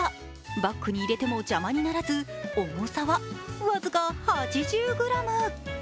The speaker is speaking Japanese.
バッグに入れても邪魔にならず重さは僅か８０ｇ。